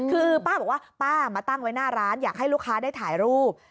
คือป้าบอกว่าป้ามาตั้งไว้หน้าร้านอยากให้ลูกค้าได้ถ่ายรูป